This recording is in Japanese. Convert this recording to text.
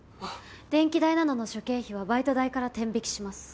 電気代などの諸経費はバイト代から天引きします。